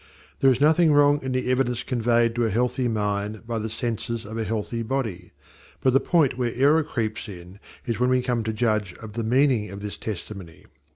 There is nothing wrong in the evidence conveyed to a healthy mind by the senses of a healthy body, but the point where error creeps in is when we come to judge of the meaning of this testimony.